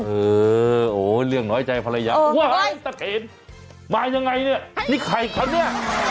เออโอ้เรื่องน้อยใจภรรยาเออว้าวมายังไงเนี้ยนี่ใครคะเนี้ย